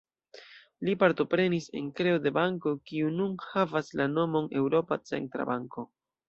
Li partoprenis en kreo de banko, kiu nun havas la nomon Eŭropa Centra Banko.